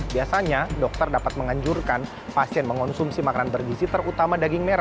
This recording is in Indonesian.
biasanya dokter dapat menganjurkan pasien mengonsumsi makanan bergisi terutama daging merah